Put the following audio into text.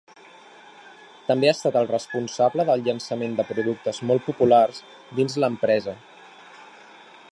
També ha estat el responsable del llançament de productes molt populars dins l’empresa.